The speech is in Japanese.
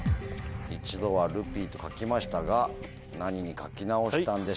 一度は「ルピー」と書きましたが何に書き直したんでしょうか？